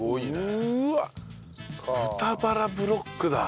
豚バラブロックだ。